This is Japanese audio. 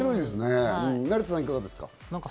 成田さん、いかがですか？